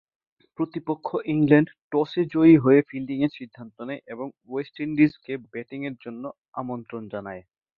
প্রতিপক্ষ ইংল্যান্ড টসে জয়ী হয়ে ফিল্ডিংয়ের সিদ্ধান্ত নেয় এবং ওয়েস্ট ইন্ডিজকে ব্যাটিংয়ের জন্যে আমন্ত্রণ জানায়।